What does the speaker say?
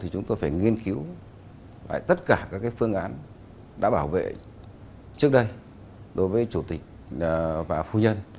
chúng tôi phải nghiên cứu tất cả các phương án đã bảo vệ trước đây đối với chủ tịch và phu nhân